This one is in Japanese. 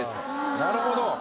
なるほど。